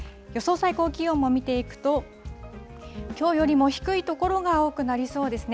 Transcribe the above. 最高気温も見ていくと、きょうよりも低い所が多くなりそうですね。